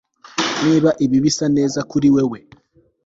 niba ibi bisa neza kuri wewe